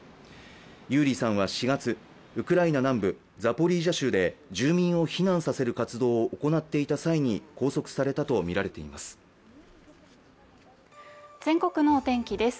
ユーリーさんは４月ウクライナ南部ザポリージャ州で住民を避難させる活動を行っていた際に拘束されたとみられています。